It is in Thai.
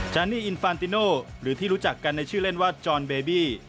จานีอินฟานติโน่หรือที่รู้จักกันในชื่อเล่นว่าจอนเบบี้